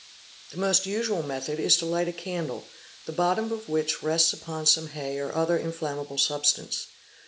224—1225)_ The most usual method is to light a candle, the bottom of which rests upon some hay or other inflammable substance.